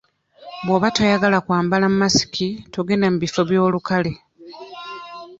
Bwoba toyagala kwambala masiki togenda mu bifo by'olukale.